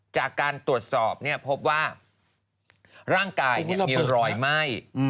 จากการตรวจสอบพบว่าร่างกายมีรอยไหม้